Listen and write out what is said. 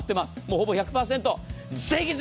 ほぼ１００％近く。